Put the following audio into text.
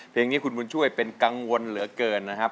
เพลงนี้คุณบุญช่วยเป็นกังวลเหลือเกินนะครับ